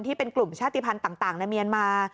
ที่เป็นกลุ่มชาติภัณฑ์ต่างในเมียนมา